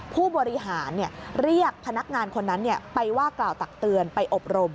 ผู้บริหารเรียกพนักงานคนนั้นไปว่ากล่าวตักเตือนไปอบรม